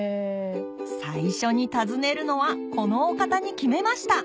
最初に訪ねるのはこのお方に決めました